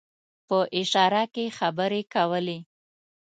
په اشاره کې خبرې کولې.